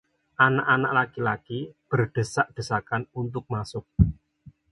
Anak-anak laki-laki berdesak-desakan untuk masuk.